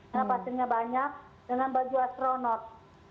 karena pasiennya banyak dengan baju astronot